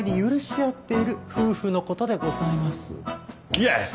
イエス！